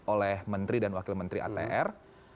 oleh menteri dan wakil menteri atr